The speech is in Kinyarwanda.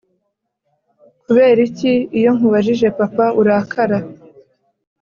Kuberiki iyonkubajije papa urakara